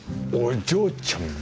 お嬢ちゃん